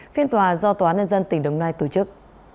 phiên tòa do tòa nhân dân tỉnh đồng nai tổ chức